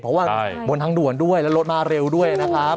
เพราะว่าบนทางด่วนด้วยแล้วรถมาเร็วด้วยนะครับ